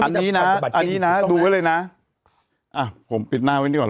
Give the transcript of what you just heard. อันนี้นะอันนี้นะดูไว้เลยนะอ่ะผมปิดหน้าไว้ดีกว่า